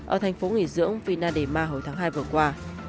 ở thành phố nghỉ dưỡng vinadeema hồi tháng hai vừa qua